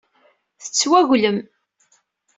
Tettwaglem.